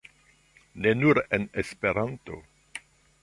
Ne nur en Esperanto.